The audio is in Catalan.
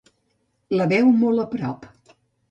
La veu molt a prop.